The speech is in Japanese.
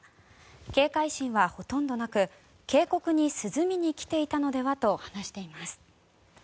警戒心はほとんどなく渓谷に涼みに来ていたのではと話しています。